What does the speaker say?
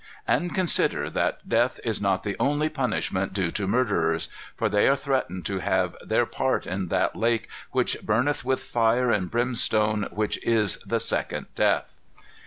"And consider that death is not the only punishment due to murderers; for they are threatened to have 'their part in that lake which burneth with fire and brimstone, which is the second death.